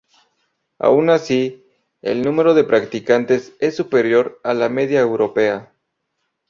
Aun así, el número de practicantes es superior a la media europea.